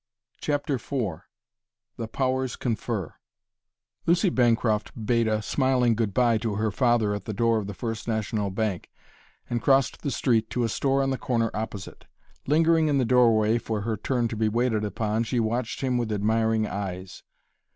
CHAPTER IV THE POWERS CONFER Lucy Bancroft bade a smiling good bye to her father at the door of the First National Bank, and crossed the street to a store on the corner opposite. Lingering in the doorway for her turn to be waited upon, she watched him with admiring eyes.